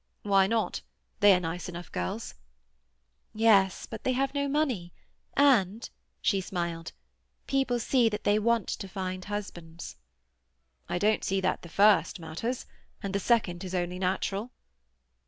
"Why not? They are nice enough girls." "Yes, but they have no money; and"—she smiled—"people see that they want to find husbands." "I don't see that the first matters; and the second is only natural."